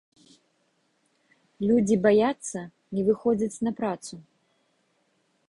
Людзі баяцца, не выходзяць на працу.